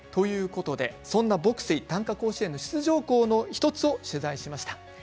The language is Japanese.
そんな牧水・短歌甲子園の出場校の１つを取材しました。